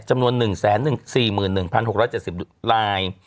จำนวน๑๔๑๖๗๐ลาย